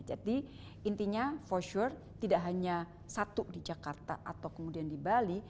jadi intinya for sure tidak hanya satu di jakarta atau kemudian di bali